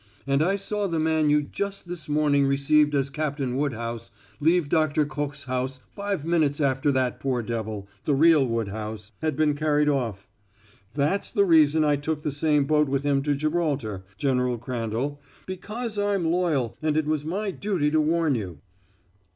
"And I saw the man you just this morning received as Captain Woodhouse leave Doctor Koch's house five minutes after that poor devil the real Woodhouse had been carried off. That's the reason I took the same boat with him to Gibraltar, General Crandall because I'm loyal and it was my duty to warn you."